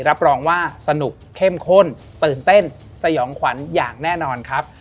รับรองว่าสนุกเข้มข้นตื่นเต้นสยองขวัญอย่างแน่นอนครับ